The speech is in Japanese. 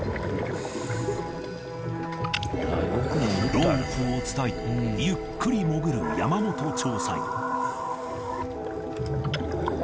ロープを伝いゆっくり潜る山本調査員